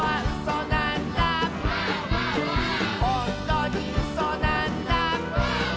「ほんとにうそなんだ」